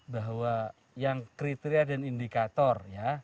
bahwa yang kriteria dan indikator ya